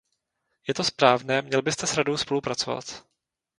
Je to správné, měl byste s Radou spolupracovat.